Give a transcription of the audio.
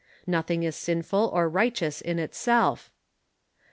Nothing is sinful or righteous in itself.